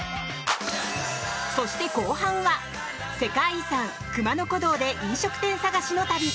そして後半は世界遺産、熊野古道で飲食店探しの旅。